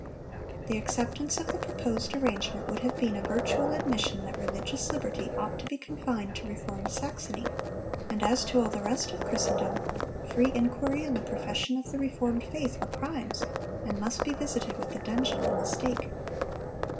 The acceptance of the proposed arrangement would have been a virtual admission that religious liberty ought to be confined to reformed Saxony; and as to all the rest of Christendom, free inquiry and the profession of the reformed faith were crimes, and must be visited with the dungeon and the stake.